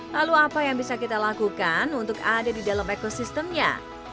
lalu apa yang bisa kita lakukan untuk ada di dalam ekosistemnya